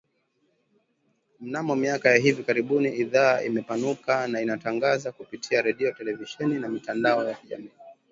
Mnamo miaka ya hivi karibuni idhaa imepanuka na inatangaza kupitia redio televisheni na mitandao ya kijamii